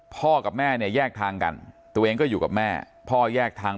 พ่อกับแม่เนี่ยแยกทางกันตัวเองก็อยู่กับแม่พ่อแยกทาง